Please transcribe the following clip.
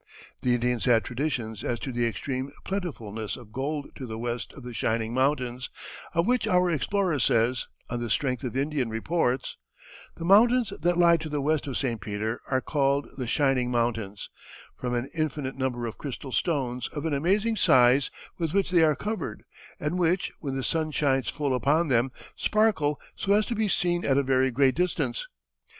[Illustration: A Calumet. (From Carver's Book.)] The Indians had traditions as to the extreme plentifulness of gold to the west of the "Shining Mountains," of which our explorer says, on the strength of Indian reports: "The mountains that lie to the west of St. Peter are called the Shining Mountains, from an infinite number of crystal stones of an amazing size with which they are covered and which, when the sun shines full upon them, sparkle so as to be seen at a very great distance."